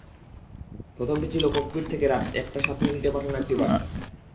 প্রথমটি ছিল ককপিট থেকে রাত একটা সাত মিনিটে পাঠানো একটি বার্তা।